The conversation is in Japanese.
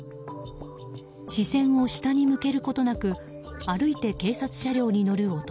視線を下に向けることなく歩いて警察車両に乗る男。